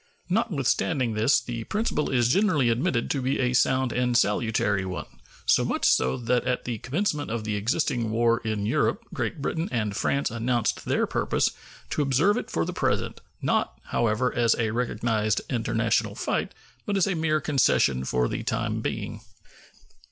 Notwithstanding this, the principle is generally admitted to be a sound and salutary one, so much so that at the commencement of the existing war in Europe Great Britain and France announced their purpose to observe it for the present; not, however, as a recognized international fight, but as a mere concession for the time being.